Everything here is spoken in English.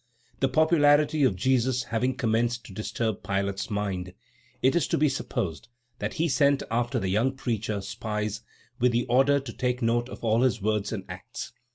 The popularity of Jesus having commenced to disturb Pilate's mind, it is to be supposed that he sent after the young preacher spies, with the order to take note of all his words and acts.